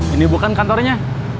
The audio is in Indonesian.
ini bukan kantornya